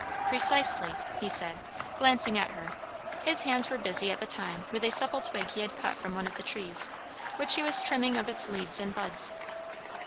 "Precisely" he said, glancing at her. His hands were busy at the time with a supple twig he had cut from one of the trees, which he was trimming of its leaves and buds.